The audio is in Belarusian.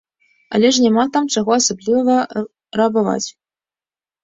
Але ж няма там чаго асабліва рабаваць.